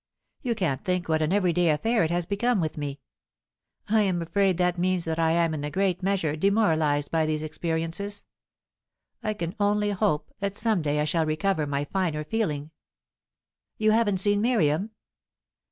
You can't think what an everyday affair it has become with me. I am afraid that means that I am in a great measure demoralized by these experiences. I can only hope that some day I shall recover my finer feeling." "You haven't seen Miriam?"